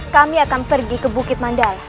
kami akan pergi ke bukit mandai